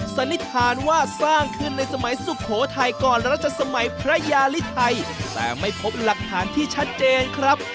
สันนิษฐานว่าสร้างขึ้นในสมัยสุโขทัยก่อนรัชสมัยพระยาลิไทยแต่ไม่พบหลักฐานที่ชัดเจนครับ